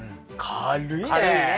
軽いね！